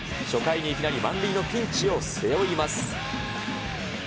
初回にいきなり満塁のピンチを背負います。